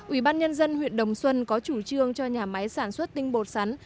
ủy ban nhân dân huyện đồng xuân có chủ trương cho nhà máy sản xuất tinh bột sắn